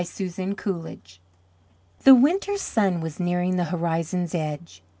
SUSAN COOLIDGE The winter's sun was nearing the horizon's edge.